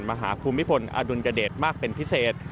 ภูมิพลอดุลยเดชมากเป็นพิเศษ